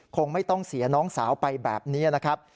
คงไม่ต้องเสียน้องสาวไปแบบนี้นะครับ